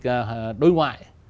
ủy ban đối ngoại